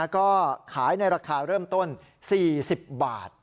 ก็ขายในราคาเริ่มต้น๔๐บาท